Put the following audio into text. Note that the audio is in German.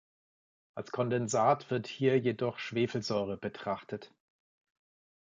Als Kondensat wird hier jedoch Schwefelsäure betrachtet.